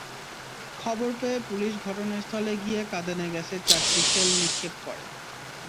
খবর পেয়ে পুলিশ ঘটনাস্থলে গিয়ে কাঁদানে গ্যাসের চারটি শেল নিক্ষেপ করে।